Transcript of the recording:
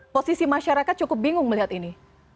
posisi masyarakat cukup bingung melihat ini